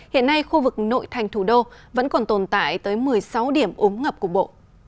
hiện nay khu vực nội thành thủ đô vẫn còn tồn tại tới một mươi sáu điểm ống ngập cục bộ